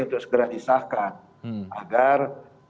untuk segera disahkan agar